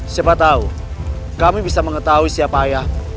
siapa tahu kami bisa mengetahui siapa ayah